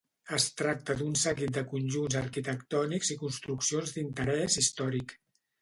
Es tracta d'un seguit de conjunts arquitectònics i construccions d'interès històric.